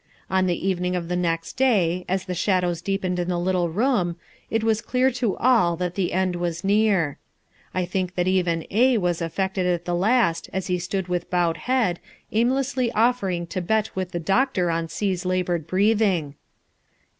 On the evening of the next day, as the shadows deepened in the little room, it was clear to all that the end was near. I think that even A was affected at the last as he stood with bowed head, aimlessly offering to bet with the doctor on C's laboured breathing.